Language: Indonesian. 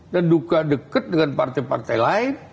dan dekat dengan partai partai lain